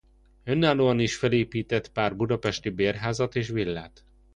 Önállóan is felépített pár budapesti bérházat és villát.